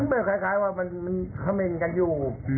มันเป็นคล้ายมึงมึงยังอยู่